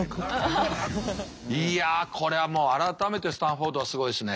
いやこれはもう改めてスタンフォードはすごいですね。